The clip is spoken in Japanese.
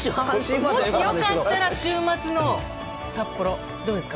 もしよかったら、週末の札幌どうですか？